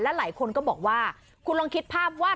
หลายคนก็บอกว่าคุณลองคิดภาพว่า